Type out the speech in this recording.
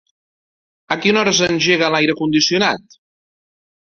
A quina hora s'engega l'aire condicionat?